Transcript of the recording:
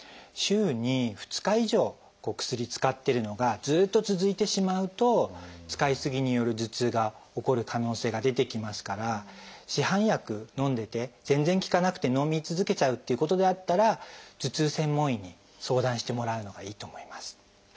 週に２日以上薬使ってるのがずっと続いてしまうと使い過ぎによる頭痛が起こる可能性が出てきますから市販薬のんでて全然効かなくてのみ続けちゃうっていうことであったら頭痛専門医に相談してもらうのがいいと思います。